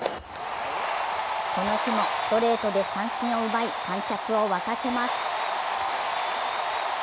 この日もストレートで三振を奪い観客を沸かせます。